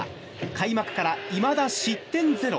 開幕からいまだ失点ゼロ